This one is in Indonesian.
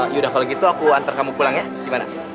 yaudah kalau gitu aku antar kamu pulang ya gimana